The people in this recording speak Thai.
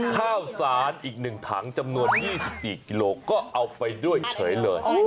ข้าวสารอีก๑ถังจำนวน๒๔กิโลก็เอาไปด้วยเฉยเลย